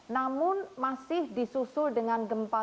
namun masih disusul dengan gempa